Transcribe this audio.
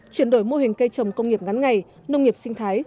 chuyển đổi mô hình cây trồng công nghiệp ngắn ngày nông nghiệp sinh thái